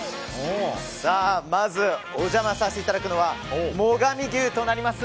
まずお邪魔させていただくのは最上牛となります